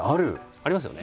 ありますよね。